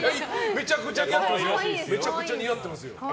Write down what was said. めちゃくちゃ似合ってますよ。